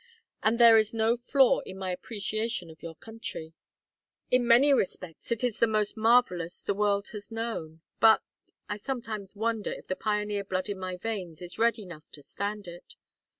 And there is no flaw in my appreciation of your country. In many respects it is the most marvellous the world has known but I sometimes wonder if the pioneer blood in my veins is red enough to stand it.